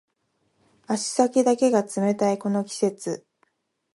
足先だけが冷たいこの季節